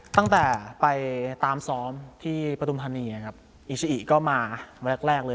ตั้งแต่ไปตามซ้อมที่ประตุมธรรมนี้อิชิอีก็มาแรกเลย